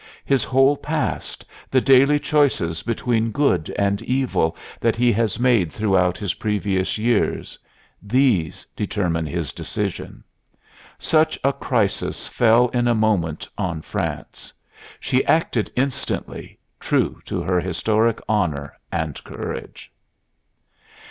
His whole past, the daily choices between good and evil that he has made throughout his previous years these determine his decision. Such a crisis fell in a moment on France; she acted instantly, true to her historic honor and courage."